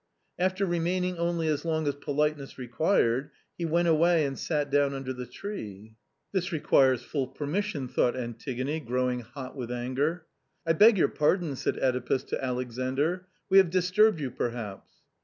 After remaining only as long as politeness required, he went away and sat down under the tree ! "Cela passe toute permission 1 " thought Antigone, grow ing hot with anger. " I beg your pardon !" said (Edipus to Alexandr ;" we have disturbed you perhaps